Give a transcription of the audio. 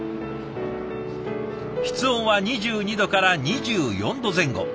室温は２２度から２４度前後。